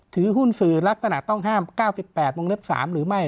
ถือหุ้นสื่อลักษณะต้องห้ามเก้าสิบแปดวงเล็บสามหรือไม่